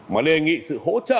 mà đề nghị sự hỗ trợ